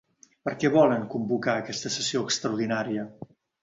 Per què volen convocar aquesta sessió extraordinària?